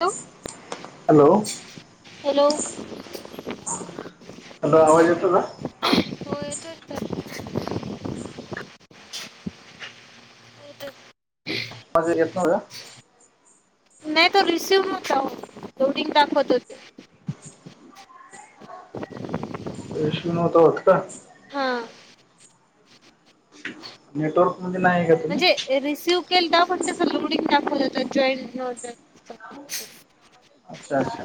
Hello hello! Hello! Hello आवाज येतो ना. हो येतोय ना. बाजार येतो का. नाही तो रिसिव्ह लोडिंग दाखवत होते. रेशवी नता वाट का? हा नेटवर्क मध्ये नाहीय का? तुम्ही म्हणजे रिसीव्ह केल तर पण त्यां लोडिंग दाखवलं ज जॉईंट. अच्छा!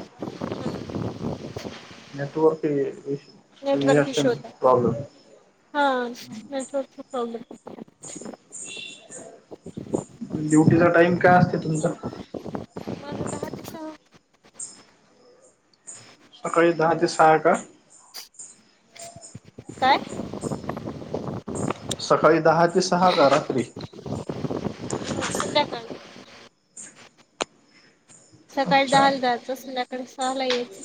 नेटवर्कश नेटवर्क इश्यू होता. प्रॉब्लेम. सठी. ड्युटीचा टाईम काय असते तुमचा माझं दहा ते सहा सकाळी दहा ते सहा का. काय? सकाळी दहा ते सहा का रात्री. हो संध्याकाळी. सकाळी अच्छा दहाला जायचं, संध्याकाळी सहाला यायचं.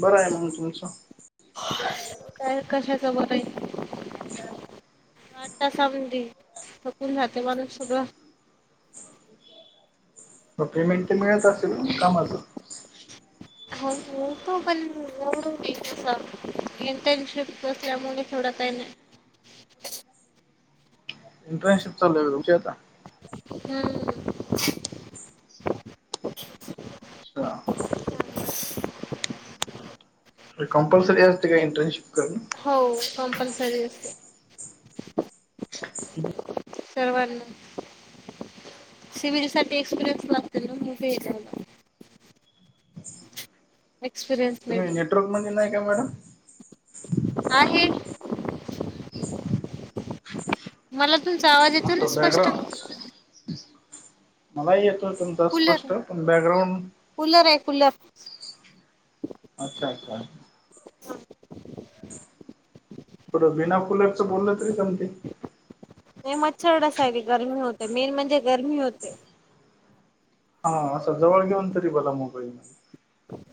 बरं आहे मग तुमचं. काय कशाच बरं आहे. वातासमधी थकून जाते माणूस सगळं मग पेमेंट तर मिळत असेल कामाचं हो. हो पण इंटर्नशिप बसल्यामुळे थोडा काही नाही. इंटर्नशिप चालू आहे का तुमची आता. हम्म. अच्छा कंपल्सरी असते का इंटर्नशिप करन हो कंपल्सरी असते. सर्वांना सिविलसाठी एक्सपिरियन्स लागतोय ना. एक्सपीरयनस मिळतो. ग म्हण नाही का मॅडम आहे. मला तुमचा आवाज येतो ना असं स्पष्ट बॅकग्राऊंड मला येतोय तुमचा कुलर स्पष्ट पण बॅकग्राउंड कूलर आहे कूलर अच्छा अच्छा हां पुढं बीना कुलरच बोलल तरी जमते लई मच्छर डसायले गरमी होते, मेन म्हणजे गरमी होते हा असं जवळ घेऊन तरी बघा मोबाईल म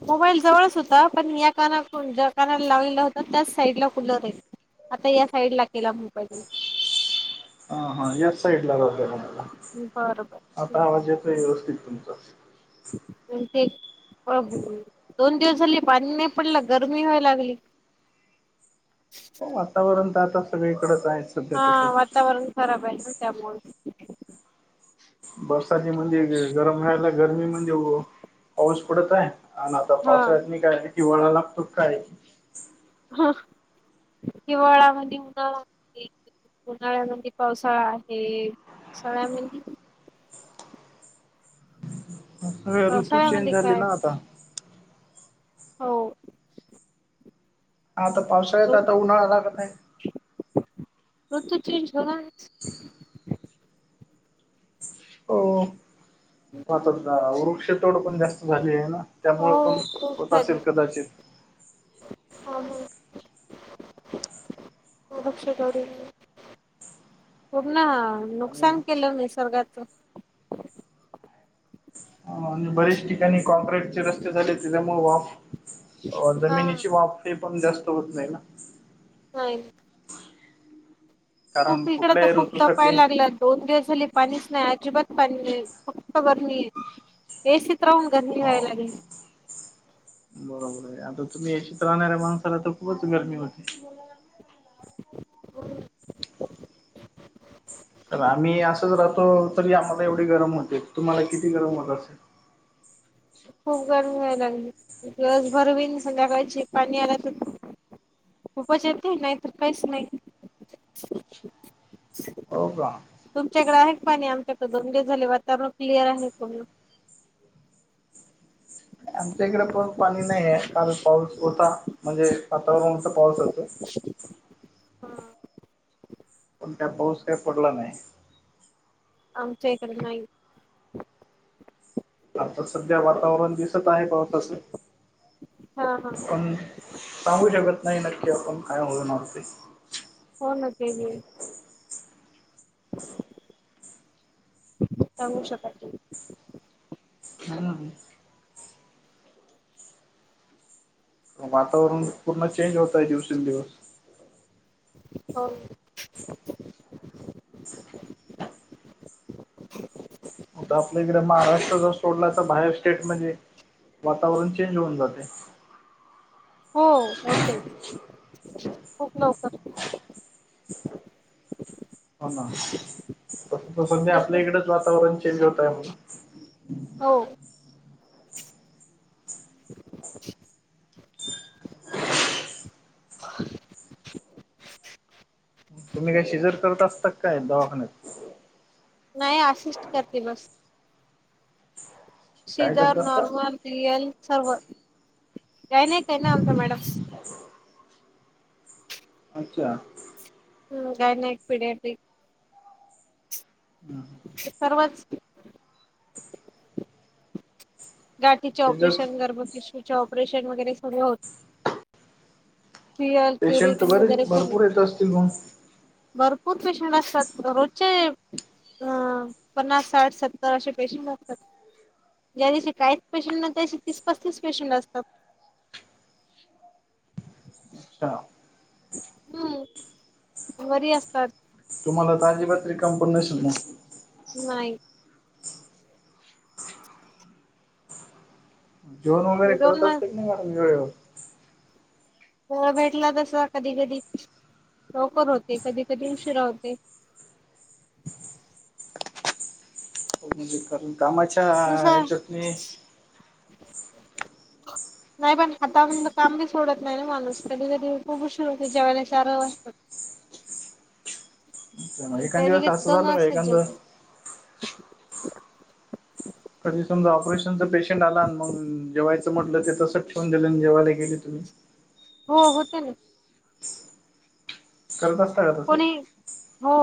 मोबाईल जवळच होता पण या कानाकून ज्या कानाला लावलेला होता त्याच साईडला कुलर आहे आता या साईड ला केला मुंबई हा हा याच साईड ला राहत तुम्हाला बरोबर आता आवाजच व्यवस्थित तुमचं ते दोन दिवस झाली पाणी नाही पडलं गरमी वय लागली वातावरण तर आता सगळीकडेचयचं हा वातावरण खराब आहे ना त्यामुळे बरसाची म्हणजे गरम रा्यायला गरमी म्हणजे पाऊस पडत आहे हा ना आता हा पावसाळ्यांत नी काय हिवाळा लागतो की काय हो हिवाळामध्ये उन उन्हाळ्यामध्ये पावसाळा आहे पावसाळ्यामध्ये ऋतू चेंज पावसाळ्यामध्ये झाली काय ना आता हो हा तर पावसाळ्यात आता उन्हाळा लागत आहे र तो चेंज होणार हो पाता वृक्ष तोडं पण जास्त झाली आहे ना त्यामुळे हो पण होत असेल कदाचित ह हं दभक्ष दौरी पूर्ण आणि नुकसान केलं निसर्गाचं हा ना बरेच ठिकाणी कॉक्र्रीटचे रस्ते झालेत, त्यांच्यामुळे वाफ हा जमिनीची वाफ ते पण जास्त होत नाही ना नाही कारण खूप इकडं तर कुठल्याही खूप ऋतूसाठी तपाय अ, लागलं दोन दिवस झाले पाणीच नाही अजिबात पाणी नाही फक्त गरमी आहे एसीत राहून गर्मी व्हायला लागली बरोबर आहे आता तुम्ही याशत राहणाऱ्या माणसाला तर खूपच गरमी होती हो तर आम्ही असंच राहतो तरी आम्हाला एवढे गरम होते तुम्हाला किती गरम होत असेल खूप गरमी व्हाय लागली दिसभर बीन संध्याकाळचे पाणी आला तर खूपच येते नाहीत काहीच नाही हो का तुमच्याकडे आहे पाणी आमच्याकडे दोने झाले वातावरण क्लिअर आहे कोण आमच्या इकडे पण पाणी नाही आहे कारण पाऊस होता म्हणजे आतापर्यंत नुसता पाऊस चालतोय [inaudible] सध्या पाऊस काय पडला नाही आ शक नाही आता सध्या वातावरण दिसत आहे पावसाचं हा हा पण सांगू शकत नाही नक्की आपण काय होऊणार ते हो ना तेली सांगू शकाय [unintelligible] वातावरण पूर्ण चेंज होतंय दिवसेंदिवस. हो! आता आपल्या इकडें, महाराष्ट्र जर सोडला तर बाहेर स्टेट म्हणजे वातावरण चेंज होऊन जातंय. हो होते खूप लवकर. हो ना तस त सध्या आपल्या इकडेच वातावरण चेंज होत आहे म्हना. हो! [inaudible] [inaudible] तुम्ही काय शिजर करत असतात काय दवाखान्यात. नाही असिस्ट करते बस. काय शिजर, करत असता नॉर्मल, रियल, सर्व काही नाही ते ना आमच्या मॅडम. अच्छा! हूं गायनाइक, पिड्याट्रिक. [inaudible] परवाच. गाठीचे शिजर ऑपरेशन, गर्भ पिशवीचे ऑपरेशन, वगैरे सगळं होत. फिअल पेशंट क्युरेटिंग बरेच वगैरे सर्व भरपूर येत असतील मग भरपूर पेशंट असतात रोजचे. हा पन्नास, साठ, सत्तर, असे पेशंट असतात ज्या दिसी काहीच पेशंट नाही, त्यादिसी तीस, पस्तीस पेशंट असतात. अच्छा हूं घरी असतात. तुम्हाला त आजीबात रीकामपण नसेल म. नाही. ! जेवन वगैरे हे दोन करत म असत्या का नाही मॅडम वेळेवर. वेळ भेटला तसा कधी, कधी लवकर होते कधी, कधी उशीरा होते. म्हणजे कारण कामाच्या जसं ह्याच्यातणी. नाही पण हातामधल काम बी सोडत नाही, ना माणूस कधी, कधी खूप उशीर होतो जेवायला चार अ वाजतात. त म कधी एखांदिवस कधी असं दोन झालं का वाजताच एखांदं जेवते कधी समजा ऑपरेशनच पेशंट आला ना मंग जेवायचं म्हटलं, ते तसंच ठीवून दिलं न जेवायला गेले तुम्ही. हो होते ना. करत असता का तस. कोणी हो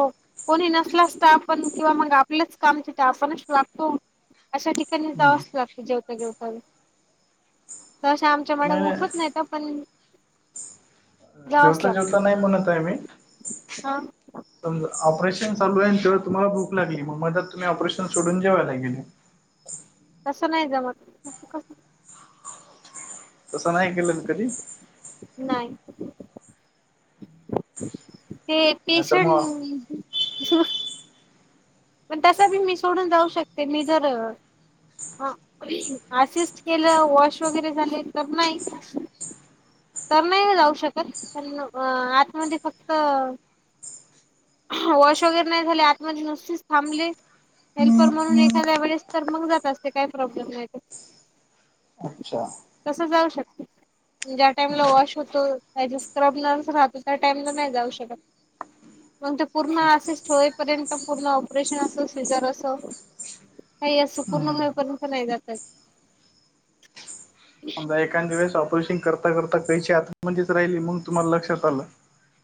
कोणी नसलास स्टाफ, पण किंवा मग आपलीच कामचे ते आपणच वागतो. अशा ठिकाणी हम्म. जावाच लागत जेवता, जेवता बी. च्या मॅडम नाही नाही ऊठत नाहीत पण जावंच जेवता, लागत जेवता, नाही म्हणत आहे मी. हा! समजा ऑपरेशन चालू आहे, न तेव्हा तुम्हाला भूक लागली मग मध्यात तुम्ही ऑपरेशन सोडून जेवयला गेले. तसं नाही जमत. कस तसं नाही केलं न कधी. नाही. ते नाहीतर मग पेशंट पण तसा बी मी सोडून जाऊ शकते मी जर हा असिस्ट केलं, वॉश वगैरे झाले, तर नाही. तर नही ना जाऊ शकत, पण आतमध्ये फक्त वॉश वगैरे नही झाले, आतमध्ये नुसतीच थांबली हेल्पर म्हणून एखाद्या वेळेस तर मग जात असते काही प्रॉब्लेम नाही. अच्छा तस जाऊ शकते म्हणजे टाइमला वॉश होत काही स्क्रबलाच राहत त्या टाईमला नाही जाऊ शकत. मग ते पूर्ण असिस्ट होईपर्यंत पूर्ण ऑपरेशन असो सिजर असो काही असो पूर्ण हम्म होईपर्यंत पण नाही जाता येत. एखांद्या वेळेस ऑपोरेशन करता करता कैची आतमध्येच राहिली मग तुम्हाला लक्षात आलं.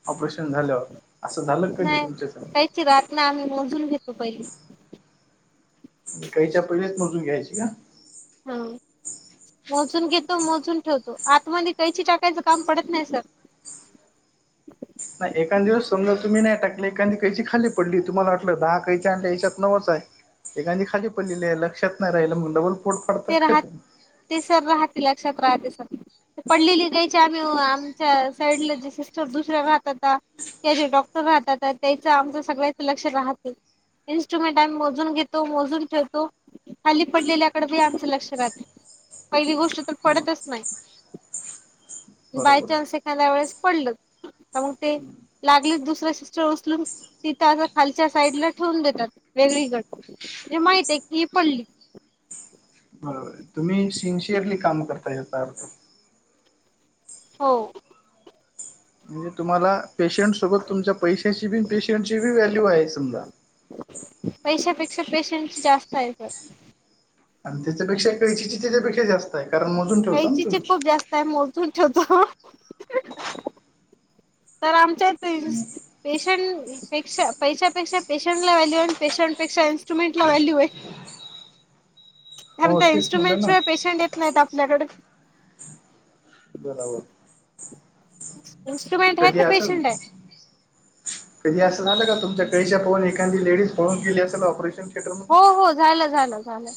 ऑपरेशन झालंव असं झालं कधी तुमच्या स चीरातन आम्ही मोजून घेतो पहिली. कैची आपलेच मोजून घ्यायची का? हम्म मोजून घेतो मोजून ठेवतो, आतमध्ये कैची टाकायचं काम पडत नाही सर. नाही एखाद दिवस समजा तुम्ही नाही टाकले, एखादी कैची खाली पडली तुम्हाला वाटलं, दहा कैची आणल्या याच्याातत नवचाय. एखादी खाली पडलीले लक्षात नाही म नवल ते राहत ते सर रहाते लक्षात रहते सर पडलेली कैची आम्ही आमच्या साईडला जे सिस्टर दुसऱ्या राहतात. ते जे डॉक्टर राहतात, तर त्यांच आमच सगळ्याक लक्ष राहत. इंस्ट्रुमेंट आम्ही मोजून घेतो, मोजून ठेवतो, खाली पडलेल्याकड ते आमच लक्ष राहाते पहिली गोष्ट तर हो पडतच नाही. बरोबर आहे. बायचान्स एखाद्या वेळेस पडल त मग ते लागलीच दुसरं सिस्टर उचलून तिथंं असं खालच्या साईडला ठेवून देतात वेगळीकड जे माहिते की पडली. [inaudible] बरोबर तुम्ही सिन्सिअरली काम करता याचा अर्थ हो म्हणजे तुम्हाला पेशंट सोबत तुमच्या पैशाची बी पेशंटची बी व्हॅल्यू आहे समजा. पैशापेक्षा पेशंटची जास्त [unintelligible] आणि त्याच्यापेक्षा कैची त्याच्यापेक्षा जास्तय कारण म काहीचीचे खूप जास्तय मोजून ठेवतो. तर आमच्या तेन्स पेशंट पेक्षा पैशापेक्षा पेशंट ला व्हॅल्यू आणि पेशंपेक्षा इंस्ट्रुमेंटला व्हॅल्यूये. [inaudible] थांब हो त्या तेच म्हटलं ना इन्स्ट्रुमेंटशिवाय पेशंट येत नाहीत आपल्याकड. बराबर [unintelligible] कधी आसन पेशंट आहे कधी असं झालं का तुमच्या कैच्या पाहून एखादी लेडीज पळून गेली असल ऑपरेशन थिएटर मधून हो हो झालं झालं झालं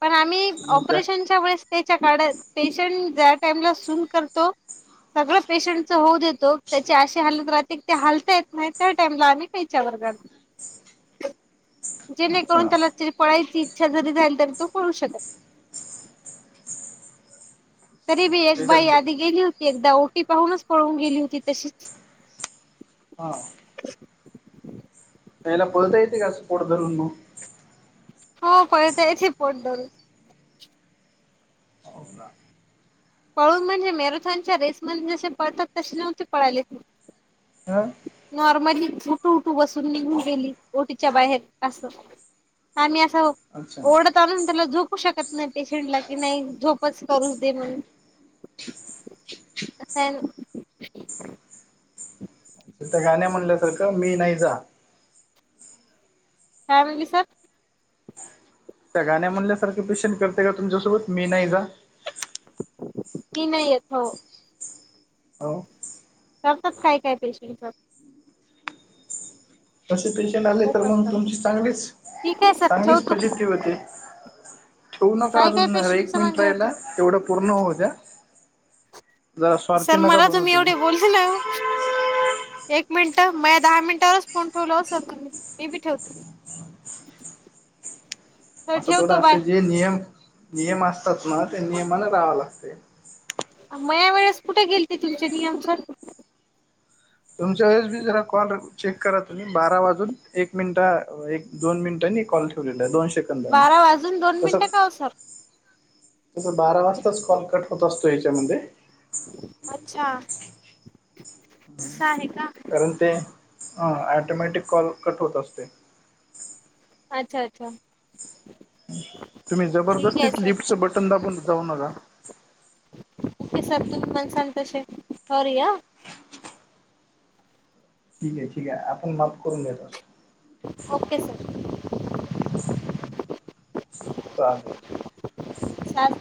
पण आम्ही मग त्या ऑपरेशनच्या वेळेस कैचा काढत पेशंट ज्या टाइमला सून करतो सगळं पेशंटच होऊ देतो, त्याची अशी हालत राहते कि त्या हालतायत आणि त्या टाइमला आम्ही कैचा वर काढतो. [inaudible] जेणेकरून अच्छा त्याला पळायची इच्छा जरी झाली तरी तो पळू शकत तरी बी एक त्याच्यात बाई ब- आधी गेली होती एकदा ओटी पाहूनच पळून गेली होती तशीच. हा [inaudible] बाईला पळता येते का असं पोट धरून मग हो कळत यायची पोट धरून [unintelligible] पळून म्हणजे मॅरेथॉनच्या रेसमध्ये जसे पळतात तसे नव्हते पळाले. हं? नॉर्मली झुटू उठू बसून निघून गेली ओटीच्या बाहेर अस आम्ही असंव अच्छा ओढत आणून त्याला झोपू शकत नाही पेशंटला कि नाही झोपच करूच दे म्हणून [inaudible] [unintelligible] तिथं गाण्या म्हणल्यासारखं, मी नाही जा. काय म्हणली सर? त्या गाण्या म्हणल्यासारखे प्रश्न करते का तुमच्यासोबत, मी नाही जा? मी नाही येत हो. हो करतात काय काय पेशंट [unintelligible] तसे पेशंट आले तर खूप मग असतात तुमची चांगलीच, ठीक आहे सर चांगलीच ठेवतो फजिती होते. ठेवू नका काय काय अजून पेशंटच एक मिनिट म्हणजे राहिला, होतं तेवढं पूर्ण होऊ द्या. जरा स्वार्थी नका बनु तुम्ही. हेलव. एक मिनटं, माझं दहा मिनिटावरच फोन ठेवला ओ सर तुम्ही, मी बी ठेवते. सर असं तेवढं ठेवतो बाय असते जे नियम, नियम असतात ना ते नियमाने राहावं लागते. मया वेळेस कुठे गेलते तुमचे नियम सर? तुमच्या वेळेस बी जरा कॉल रे चेक करा तुम्ही बारा वाजून एक मिनिट एक-दोन मिनिटांनी कॉल ठेवलेला आहे. दोन से बारा वाजून दोन मिनटं का ओ सर? तसा बारा वाजताच कॉल कट होत असतो, याच्यामध्ये. अच्छा, असं आहे का? कारण ते, ह ॲटोमॅटिक कॉल कट होत असतोय. अच्छा-अच्छा. तुम्ही जबरदस्तीत लिफ्टचं बटन दाबून जाऊ नका. ओके सर, तुम्ही म्हणतान तशे, सॉरी आ. ठीक आहे, ठीक आहे. आपण माफ करून देत अ ओके सर. चालेल. सात